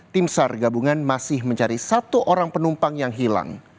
tim sar gabungan masih mencari satu orang penumpang yang hilang